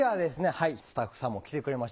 はいスタッフさんも来てくれました。